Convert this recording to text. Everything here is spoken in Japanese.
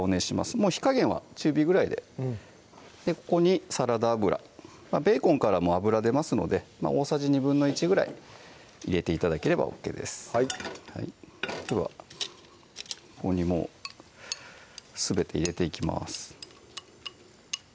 もう火加減は中火ぐらいでここにサラダ油ベーコンからも脂出ますので大さじ１／２ぐらい入れて頂ければＯＫですではここにもうすべて入れていきます